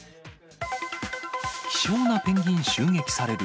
希少なペンギン襲撃される。